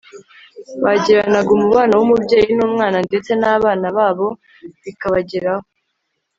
bagiranaga umubano w'umubyeyi n'umwana, ndetse n'abana babo bikabageraho